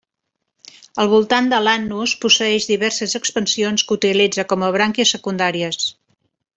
Al voltant de l'anus posseeix diverses expansions que utilitza com a brànquies secundàries.